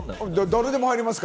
誰でも入れますよ。